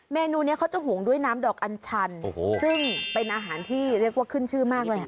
เมนูนี้เขาจะห่วงด้วยน้ำดอกอันชันซึ่งเป็นอาหารที่เรียกว่าขึ้นชื่อมากเลย